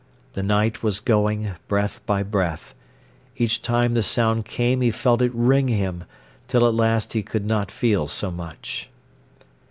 The night was going, breath by breath. Each time the sound came he felt it wring him, till at last he could not feel so much.